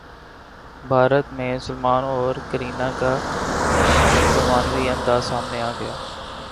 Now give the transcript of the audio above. بھارت میں سلمان اور کترینہ کا رومانوی انداز سامنے اگیا